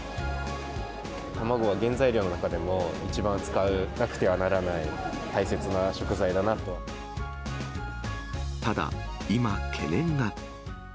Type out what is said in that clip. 卵は原材料の中でも一番使う、なくてはならない大切な食材だなただ、今懸念が。